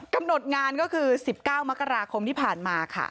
กำหนดงานคือ๑๙มกราคมนี้ผ่านมา